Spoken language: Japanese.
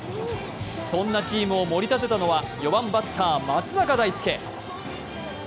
そんなチームをもり立てたのは４番バッター・松坂大輔。